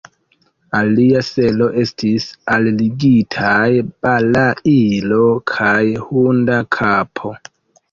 Al lia selo estis alligitaj balailo kaj hunda kapo.